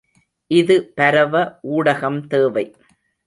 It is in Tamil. இது பரவ ஊடகம் தேவை.